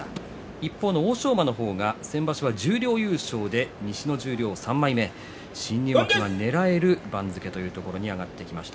一方の欧勝馬の方は、先場所は十両優勝で西の十両３枚目新入幕がねらえる番付に上がってきました。